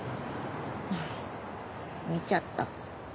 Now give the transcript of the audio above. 見ちゃった。